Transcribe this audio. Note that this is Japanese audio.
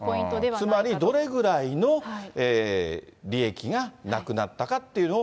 つまりどれぐらいの利益がなくなったかっていうのを、